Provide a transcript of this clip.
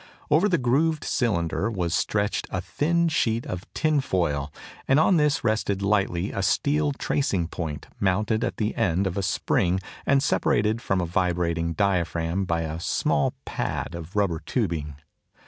Over the grooved cylinder was stretched a thin sheet of tinfoil, and on this rested lightly a steel tracing point, mounted at the end of a spring and separated from a vibrating diaphragm by a small pad of rubber tubing.